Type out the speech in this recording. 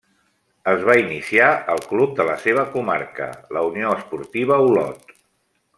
Es va iniciar al club de la seva comarca, la Unió Esportiva Olot.